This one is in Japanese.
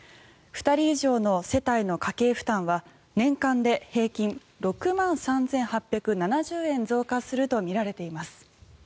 ２人以上の世帯の家計負担は年間で平均６万３８７０円増加するとみられています。